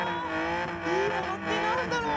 「いいもの」ってなんだろう？